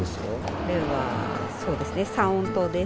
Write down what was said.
これはそうですね。